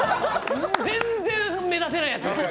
全然、目立てないやつ。